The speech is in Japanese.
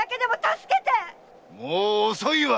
もう遅いわ！